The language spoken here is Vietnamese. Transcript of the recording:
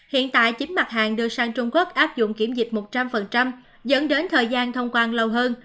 hiện tại chín mặt hàng đưa sang trung quốc áp dụng kiểm dịch một trăm linh dẫn đến thời gian thông quan lâu hơn